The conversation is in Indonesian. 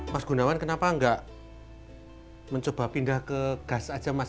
mas gunawan kenapa nggak mencoba pindah ke gas aja mas